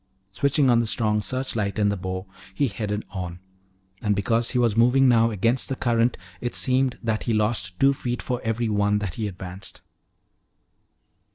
Switching on the strong search light in the bow, he headed on. And because he was moving now against the current, it seemed that he lost two feet for every one that he advanced.